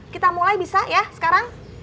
kita mulai bisa ya sekarang